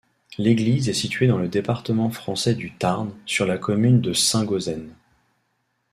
L'église est située dans le département français du Tarn, sur la commune de Saint-Gauzens.